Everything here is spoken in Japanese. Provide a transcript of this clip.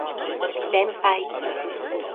連敗